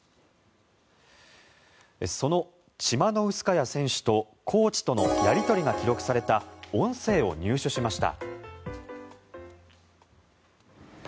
そのチマノウスカヤ選手とコーチとのやり取りが記録された音声を入手しました。